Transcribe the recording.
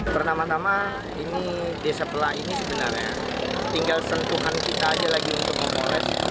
pertama tama ini desa pela ini sebenarnya tinggal sentuhan kita aja lagi untuk memperoleh